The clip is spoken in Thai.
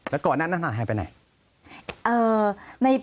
แล้วก่อนนั้นหายไปไหน